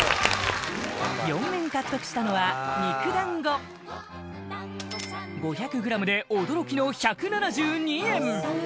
４面獲得したのは肉だんご５００ｇで驚きの１７２円